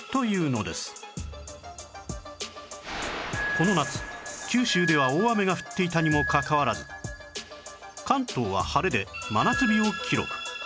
この夏九州では大雨が降っていたにもかかわらず関東は晴れで真夏日を記録